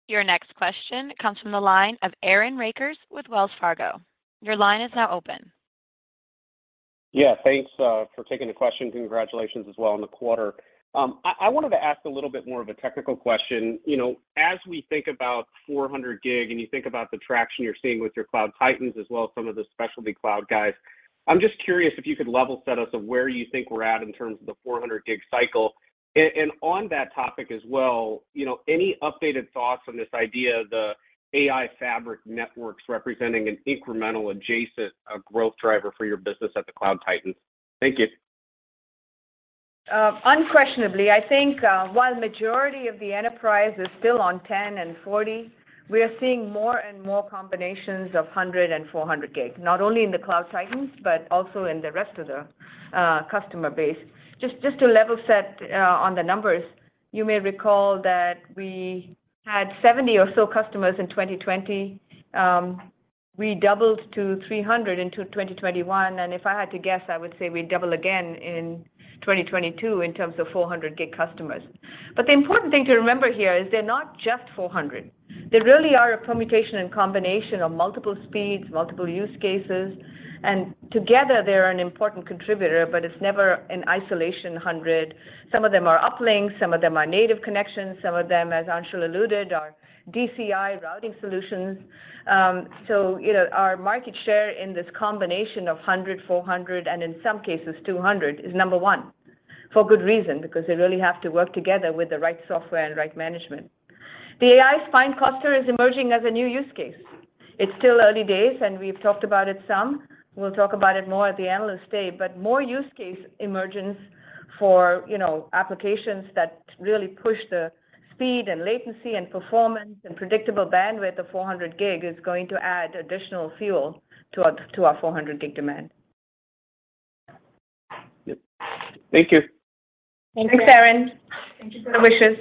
Your next question comes from the line of Aaron Rakers with Wells Fargo. Your line is now open. Yeah. Thanks for taking the question. Congratulations as well on the quarter. I wanted to ask a little bit more of a technical question. You know, as we think about 400 Gbps and you think about the traction you're seeing with your Cloud Titans as well as some of the specialty cloud guys, I'm just curious if you could level set us on where you think we're at in terms of the 400 Gbps cycle. And on that topic as well, you know, any updated thoughts on this idea of the AI fabric networks representing an incremental adjacent growth driver for your business at the Cloud Titans? Thank you. Unquestionably, I think, while majority of the enterprise is still on 10 and 40, we are seeing more and more combinations of 100 and 400 Gbps, not only in the Cloud Titans, but also in the rest of the customer base. Just to level set on the numbers, you may recall that we had 70 or so customers in 2020. We doubled to 300 in 2021, and if I had to guess, I would say we'd double again in 2022 in terms of 400 Gbps customers. The important thing to remember here is they're not just 400. They really are a permutation and combination of multiple speeds, multiple use cases, and together they're an important contributor, but it's never an isolation 100. Some of them are uplinks, some of them are native connections, some of them, as Anshul alluded, are DCI routing solutions. You know, our market share in this combination of 100, 400, and in some cases 200 is number one for good reason because they really have to work together with the right software and right management. The AI spine cluster is emerging as a new use case. It's still early days, and we've talked about it some. We'll talk about it more at the analyst day, but more use case emergence for, you know, applications that really push the speed and latency and performance and predictable bandwidth of 400 Gbps is going to add additional fuel to our 400 Gbps demand. Yep. Thank you. Thank you. Thanks, Aaron. Thank you so much. Best wishes.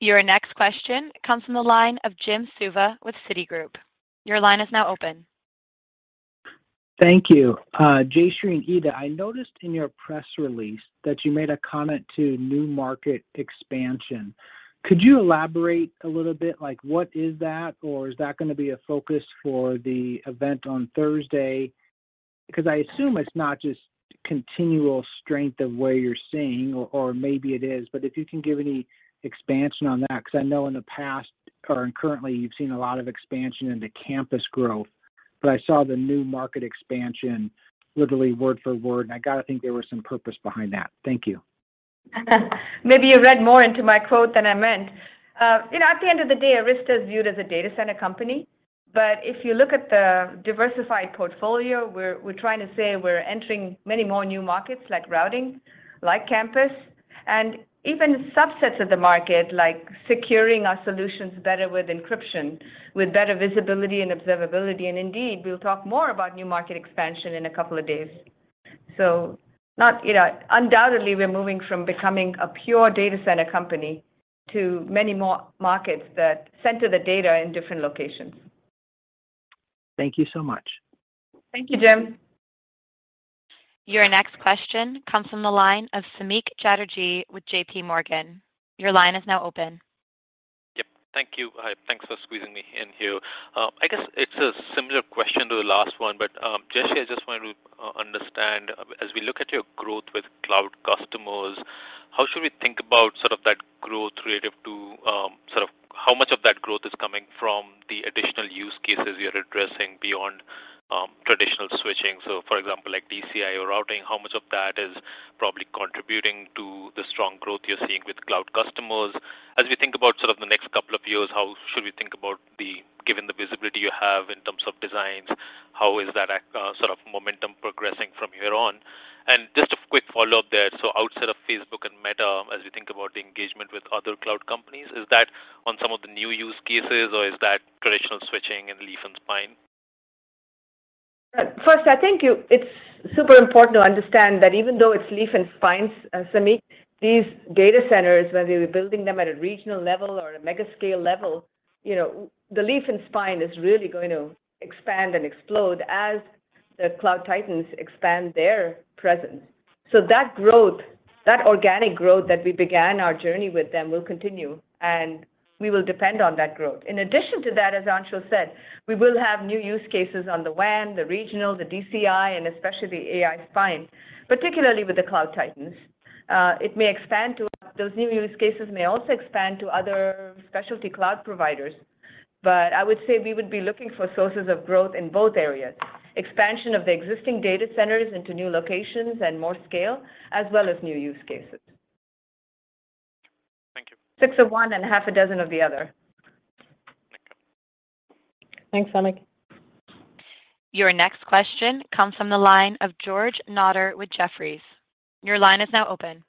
Your next question comes from the line of Jim Suva with Citigroup. Your line is now open. Thank you. Jayshree and Ita, I noticed in your press release that you made a comment to new market expansion. Could you elaborate a little bit, like, what is that or is that gonna be a focus for the event on Thursday? 'Cause I assume it's not just continual strength of where you're seeing or maybe it is, but if you can give any expansion on that, 'cause I know in the past or and currently you've seen a lot of expansion in the campus growth. I saw the new market expansion literally word for word, and I gotta think there was some purpose behind that. Thank you. Maybe you read more into my quote than I meant. You know, at the end of the day, Arista is viewed as a data center company. If you look at the diversified portfolio, we're trying to say we're entering many more new markets like routing, like campus, and even subsets of the market, like securing our solutions better with encryption, with better visibility and observability. Indeed, we'll talk more about new market expansion in a couple of days. Undoubtedly, we're moving from becoming a pure data center company to many more markets that center the data in different locations. Thank you so much. Thank you, Jim. Your next question comes from the line of Samik Chatterjee with JPMorgan. Your line is now open. Yep. Thank you. Hi. Thanks for squeezing me in here. I guess it's a similar question to the last one, but, Jayshree, I just wanted to understand, as we look at your growth with cloud customers, how should we think about sort of that growth relative to sort of how much of that growth is coming from the additional use cases you're addressing beyond traditional switching? So for example, like DCI or routing, how much of that is probably contributing to the strong growth you're seeing with cloud customers? As we think about sort of the next couple of years, how should we think about given the visibility you have in terms of designs, how is that sort of momentum progressing from here on? Just a quick follow-up there. Outside of Facebook and Meta, as we think about the engagement with other cloud companies, is that on some of the new use cases, or is that traditional switching and leaf and spine? First, I think it's super important to understand that even though it's leaf and spines, Samik, these data centers, whether you're building them at a regional level or a mega scale level, you know, the leaf and spine is really going to expand and explode as the Cloud Titans expand their presence. That growth, that organic growth that we began our journey with them will continue, and we will depend on that growth. In addition to that, as Anshul said, we will have new use cases on the WAN, the regional, the DCI, and especially AI spine, particularly with the Cloud Titans. Those new use cases may also expand to other specialty cloud providers. I would say we would be looking for sources of growth in both areas, expansion of the existing data centers into new locations and more scale, as well as new use cases. Thank you. Six of one and half a dozen of the other. Thanks, Samik. Your next question comes from the line of George Notter with Jefferies. Your line is now open.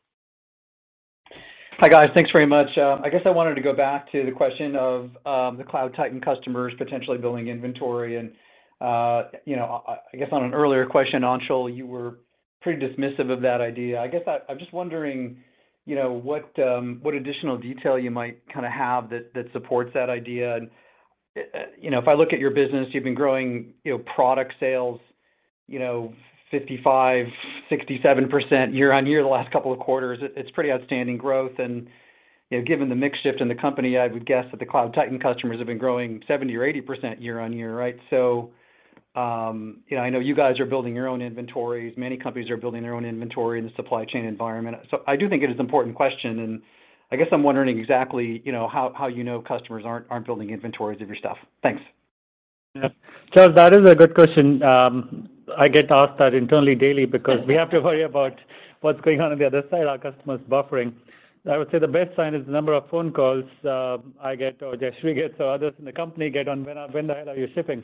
Hi, guys. Thanks very much. I guess I wanted to go back to the question of the Cloud Titan customers potentially building inventory. You know, I guess on an earlier question, Anshul, you were pretty dismissive of that idea. I guess I'm just wondering, you know, what additional detail you might kinda have that supports that idea. You know, if I look at your business, you've been growing, you know, product sales, you know, 55%, 67% year-over-year the last couple of quarters. It's pretty outstanding growth. You know, given the mix shift in the company, I would guess that the Cloud Titan customers have been growing 70% or 80% year-over-year, right? You know, I know you guys are building your own inventories. Many companies are building their own inventory in the supply chain environment. I do think it is important question, and I guess I'm wondering exactly, you know, how you know customers aren't building inventories of your stuff. Thanks. Yeah. George, that is a good question. I get asked that internally daily because we have to worry about what's going on on the other side, our customers buffering. I would say the best sign is the number of phone calls I get or Jayshree gets or others in the company get on when the hell are you shipping.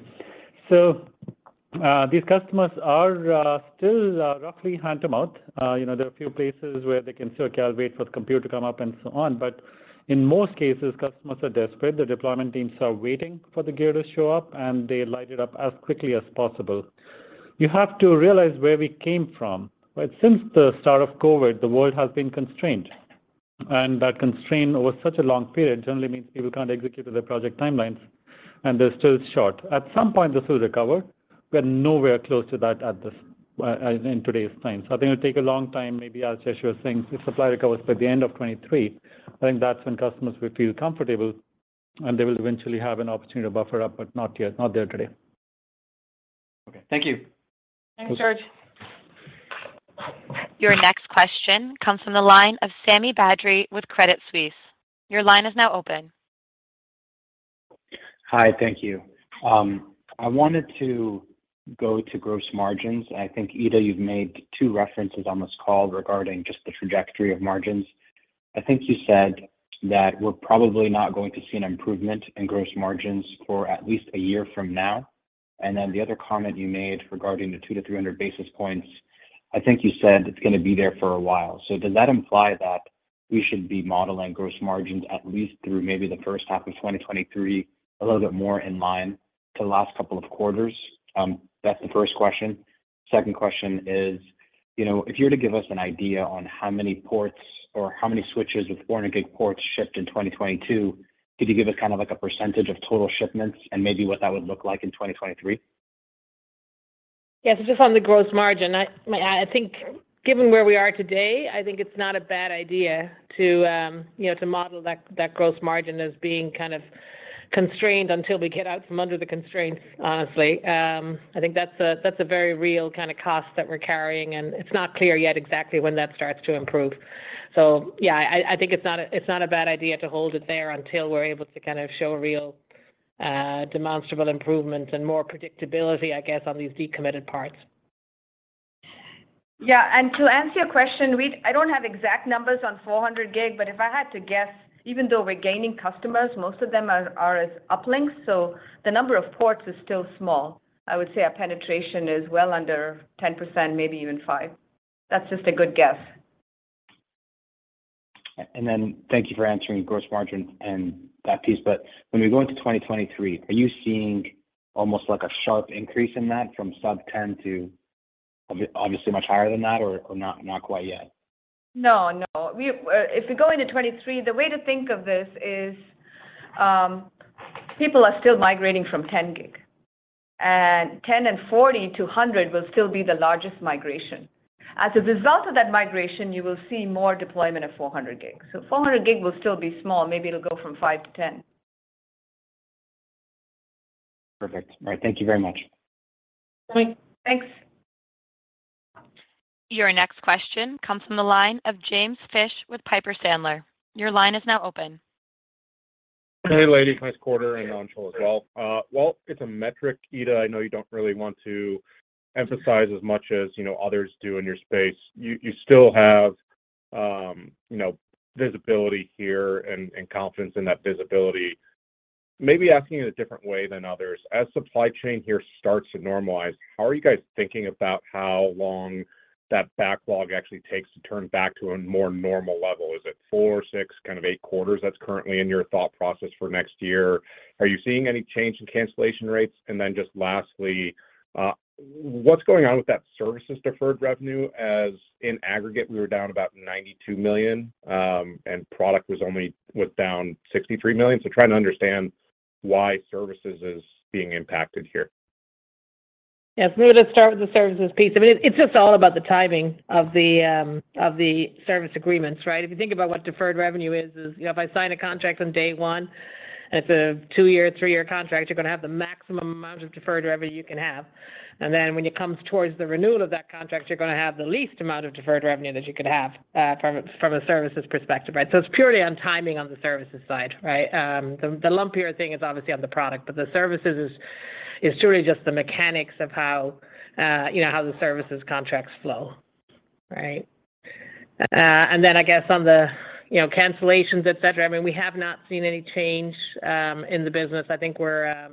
These customers are still roughly hand to mouth. You know, there are a few places where they can still calibrate for the computer to come up and so on. In most cases, customers are desperate. The deployment teams are waiting for the gear to show up, and they light it up as quickly as possible. You have to realize where we came from, right? Since the start of COVID, the world has been constrained, and that constraint over such a long period generally means people can't execute their project timelines, and they're still short. At some point, this will recover. We're nowhere close to that in today's time. I think it'll take a long time. Maybe as Jayshree was saying, if supply recovers by the end of 2023, I think that's when customers will feel comfortable, and they will eventually have an opportunity to buffer up, but not yet. Not there today. Okay. Thank you. Thanks, George. Your next question comes from the line of Sami Badri with Credit Suisse. Your line is now open. Hi. Thank you. I wanted to go to gross margins. I think, Ita, you've made two references on this call regarding just the trajectory of margins. I think you said that we're probably not going to see an improvement in gross margins for at least a year from now. Then the other comment you made regarding the 200-300 basis points, I think you said it's gonna be there for a while. Does that imply that we should be modeling gross margins at least through maybe the first half of 2023, a little bit more in line to the last couple of quarters. That's the first question. Second question is, you know, if you were to give us an idea on how many ports or how many switches with 400 Gbps ports shipped in 2022, could you give us kind of like a percentage of total shipments and maybe what that would look like in 2023? Yes. Just on the gross margin, I think given where we are today, I think it's not a bad idea to, you know, to model that gross margin as being kind of constrained until we get out from under the constraints, honestly. I think that's a very real kind of cost that we're carrying, and it's not clear yet exactly when that starts to improve. Yeah, I think it's not a bad idea to hold it there until we're able to kind of show real, demonstrable improvement and more predictability, I guess, on these decommitted parts. Yeah. To answer your question, I don't have exact numbers on 400 Gbps, but if I had to guess, even though we're gaining customers, most of them are as uplinks, so the number of ports is still small. I would say our penetration is well under 10%, maybe even 5%. That's just a good guess. Then thank you for answering gross margin and that piece. When we go into 2023, are you seeing almost like a sharp increase in that from sub-10% to obviously much higher than that, or not quite yet? No, no. If we go into 2023, the way to think of this is, people are still migrating from 10 Gbps. Ten and 40-100 will still be the largest migration. As a result of that migration, you will see more deployment of 400 Gbps. 400 Gbps will still be small. Maybe it'll go from 5% to 10%. Perfect. All right. Thank you very much. Thanks. Thanks. Your next question comes from the line of James Fish with Piper Sandler. Your line is now open. Hey, ladies. Nice quarter and launches as well. While it's a metric, Ita, I know you don't really want to emphasize as much as, you know, others do in your space, you still have, you know, visibility here and confidence in that visibility. Maybe asking it a different way than others, as supply chain here starts to normalize, how are you guys thinking about how long that backlog actually takes to turn back to a more normal level? Is it four, six, kind of eight quarters that's currently in your thought process for next year? Are you seeing any change in cancellation rates? Then just lastly, what's going on with that services deferred revenue as in aggregate, we were down about $92 million, and product was only down $63 million. Trying to understand why services is being impacted here. Yes. Maybe let's start with the services piece. I mean, it's just all about the timing of the of the service agreements, right? If you think about what deferred revenue is, you know, if I sign a contract on day one, and it's a two-year, three-year contract, you're gonna have the maximum amount of deferred revenue you can have. And then when it comes towards the renewal of that contract, you're gonna have the least amount of deferred revenue that you could have from a services perspective, right? It's purely on timing on the services side, right? The lumpier thing is obviously on the product, but the services is truly just the mechanics of how you know, how the services contracts flow, right? I guess on the, you know, cancellations, et cetera, I mean, we have not seen any change in the business. I think we're,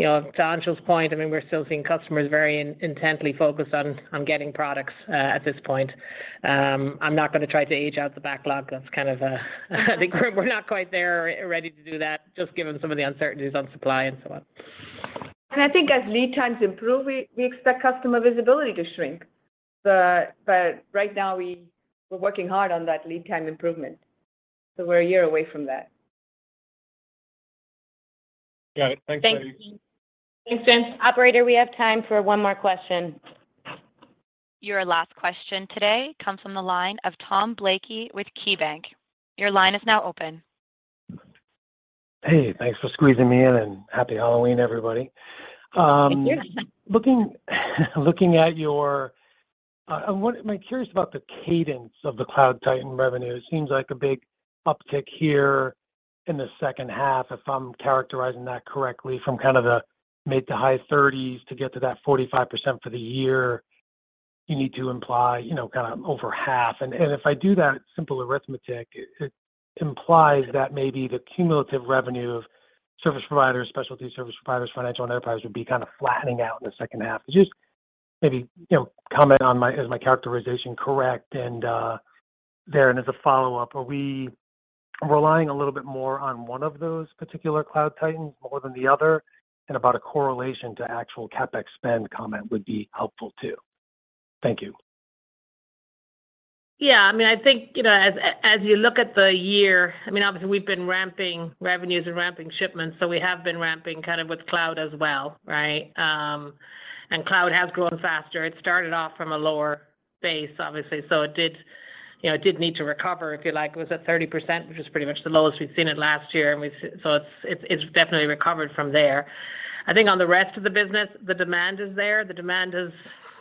you know, to Anshul's point, I mean, we're still seeing customers very intently focused on getting products at this point. I'm not gonna try to age out the backlog. That's kind of, I think, we're not quite there or ready to do that, just given some of the uncertainties on supply and so on. I think as lead times improve, we expect customer visibility to shrink. Right now, we're working hard on that lead time improvement. We're a year away from that. Got it. Thanks, ladies. Thank you. Thanks, James. Operator, we have time for one more question. Your last question today comes from the line of Tom Blakey with KeyBanc. Your line is now open. Hey, thanks for squeezing me in, and Happy Halloween, everybody. Thank you. Looking at your, I'm curious about the cadence of the Cloud Titan revenue. It seems like a big uptick here in the second half, if I'm characterizing that correctly, from kind of the mid- to high-30s to get to that 45% for the year, you need to imply, you know, kind of over 50%. If I do that simple arithmetic, it implies that maybe the cumulative revenue of service providers, specialty service providers, financial and enterprise would be kind of flattening out in the second half. Just maybe comment on my characterization. Is my characterization correct? As a follow-up, are we relying a little bit more on one of those particular Cloud Titans more than the other? A comment about a correlation to actual CapEx spend would be helpful too. Thank you. Yeah. I mean, I think, you know, as you look at the year, I mean, obviously we've been ramping revenues and ramping shipments, so we have been ramping kind of with cloud as well, right? Cloud has grown faster. It started off from a lower base, obviously, so it did, you know, it did need to recover, if you like. It was at 30%, which is pretty much the lowest we've seen it last year. It's definitely recovered from there. I think on the rest of the business, the demand is there. The demand has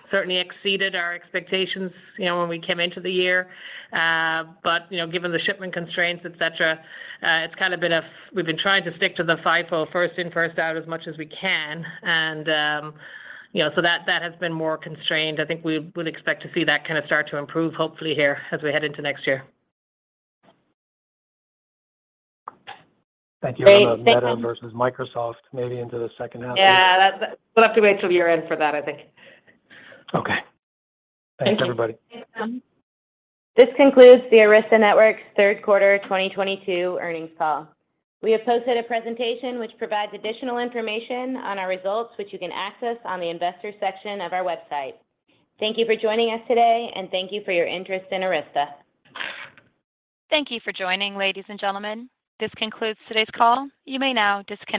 certainly exceeded our expectations, you know, when we came into the year. Given the shipment constraints, et cetera, we've been trying to stick to the FIFO, first in, first out, as much as we can. You know, that has been more constrained. I think we would expect to see that kind of start to improve hopefully here as we head into next year. Thank you. Great. Thank you. I don't know, Meta versus Microsoft maybe into the second half. Yeah. That's. We'll have to wait till year-end for that, I think. Okay. Thank you. Thanks, everybody. This concludes the Arista Networks Third Quarter 2022 Earnings Call. We have posted a presentation which provides additional information on our results, which you can access on the investors section of our website. Thank you for joining us today, and thank you for your interest in Arista. Thank you for joining, ladies and gentlemen. This concludes today's call. You may now disconnect.